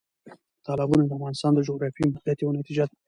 تالابونه د افغانستان د جغرافیایي موقیعت یو نتیجه ده.